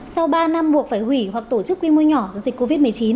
sau ba năm buộc phải hủy hoặc tổ chức quy mô nhỏ do dịch covid một mươi chín